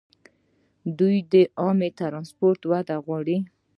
دوی د عامه ټرانسپورټ وده غواړي.